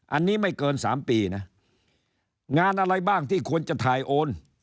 อันนี้ไม่เกินสามปีนะงานอะไรบ้างที่ควรจะถ่ายโอน